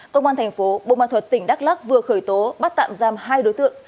công an thành phố bô ma thuật tỉnh đắk lắc vừa khởi tố bắt tạm giam hai đối tượng